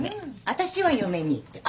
私は嫁にいって。